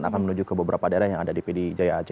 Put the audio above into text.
pada area yang ada di pdjac